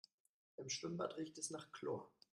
Im Schwimmbad riecht es nach Chlor.